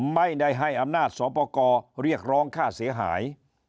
ไม่ได้ให้อำนาจสอบประกอบเรียกร้องค่าเสียหาย